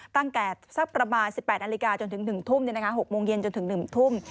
ตั้งแต่สักประมาณ๑๘นาฬิกาจนถึง๑ทุ่ม๖โมงเย็นจนถึง๑ทุ่ม